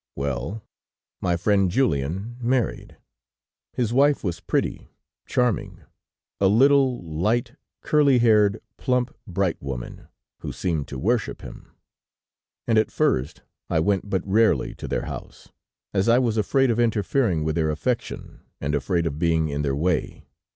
"Well, my friend Julien married. His wife was pretty, charming, a little, light, curly haired, plump, bright woman, who seemed to worship him; and at first I went but rarely to their house, as I was afraid of interfering with their affection, and afraid of being in their way.